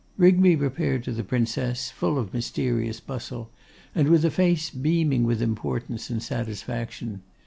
Rigby repaired to the Princess full of mysterious bustle, and with a face beaming with importance and satisfaction.